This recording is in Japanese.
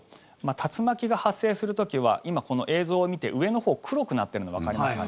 竜巻が発生する時は今、この映像を見て上のほう黒くなっているのわかりますか？